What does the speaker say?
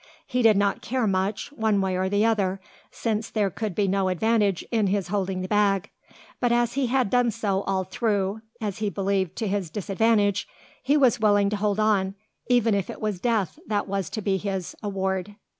He did not care much, one way or the other: since there could be no advantage in his holding the bag; but as he had done so all through, as he believed to his disadvantage, he was willing to hold on, even if it was death that was to be his award.